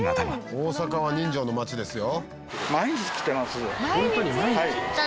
「大阪は人情の町ですよ」